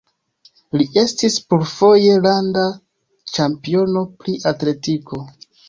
Li estis plurfoje landa ĉampiono pri atletiko.